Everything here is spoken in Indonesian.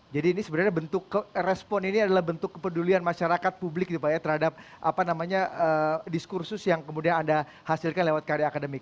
ini sebenarnya bentuk respon ini adalah bentuk kepedulian masyarakat publik terhadap diskursus yang kemudian anda hasilkan lewat karya akademik